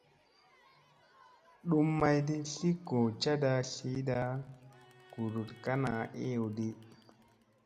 Dum maydi tli goo caɗa tliyɗa guɗuɗ ka naa eyew di.